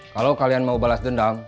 kalau kalian mau balas dendam